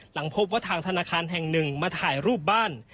หลังพบว่าทางธนาคารแห่งหนึ่งมาถ่ายรูปบ้าน